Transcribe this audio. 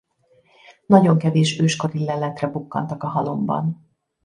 Nagyon kevés őskori leletre bukkantak a halomban.